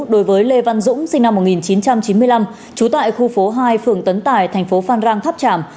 đối với lê văn dũng sinh năm một nghìn chín trăm chín mươi năm trú tại khu phố hai phường tấn tài thành phố phan rang tháp tràm